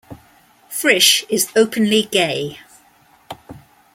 Frisch is openly gay.